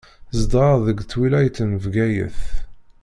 Zedɣeɣ deg twilayt n Bgayet.